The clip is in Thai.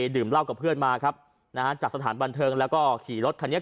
ดื่มเหล้ากับเพื่อนมาครับจากสถานบันเทิงและขี่รถคันเงียบ